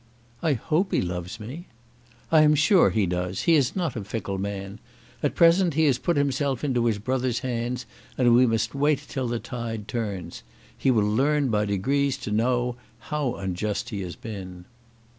"I hope he loves me." "I am sure he does. He is not a fickle man. At present he has put himself into his brother's hands, and we must wait till the tide turns. He will learn by degrees to know how unjust he has been."